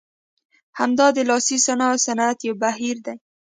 همدا د لاسي صنایع صنعت یو بهیر دی.